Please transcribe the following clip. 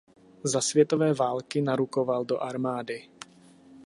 Za světové války narukoval do armády.